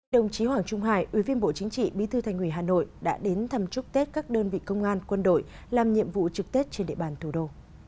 đồng chí hoàng trung hải ủy viên bộ chính trị bí thư thành ủy hà nội đã đến thăm chúc tết các đơn vị công an quân đội làm nhiệm vụ trực tết trên địa bàn thủ đô